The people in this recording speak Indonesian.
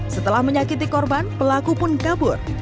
setelah menyakiti korban pelaku pun kabur